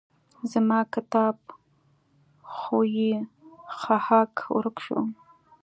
زما کتاب ښوی ښهاک ورک شو.